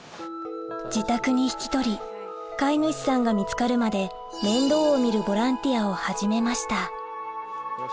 自宅に引き取り飼い主さんが見つかるまで面倒を見るボランティアを始めました